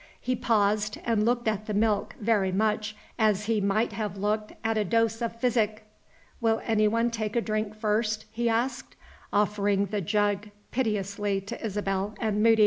He paused, and looked at the milk very much as he might have looked at a dose of physic. "Will anyone take a drink first?" he asked, offering the jug piteously to Isabel and Moody.